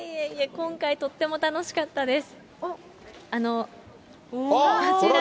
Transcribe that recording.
今回、とっても楽しかったです。